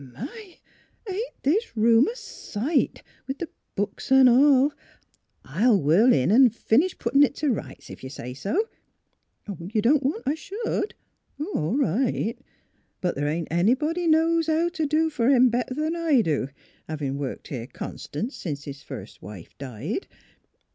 ... My! ain't this room a sight, — with th' books an' all! I'll whirl in an' finish puttin' it t' rights, ef you say so! ... You don't want I should? All right. But the' ain't nobody knows how t' do fer him any better 'n' I do, havin' worked here constant sence his first wife died.